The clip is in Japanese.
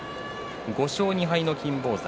５勝２敗の金峰山。